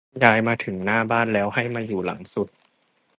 เมื่อขบวนเคลื่อนย้ายมาถึงหน้าบ้านแล้วให้มาอยู่หลังสุด